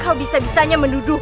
kau bisa bisanya menduduk ku